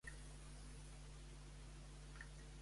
Qui es va encarregar de la formació de Maria Àngels inicialment?